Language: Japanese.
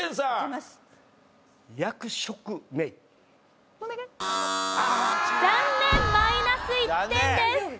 マイナス１点です。